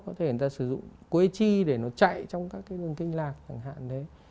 có thể người ta sử dụng quế chi để nó chạy trong các cái đường kinh lạc chẳng hạn đấy